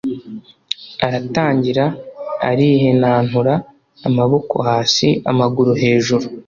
aratangira alihenantura, amaboko hasi amaguru hejuru,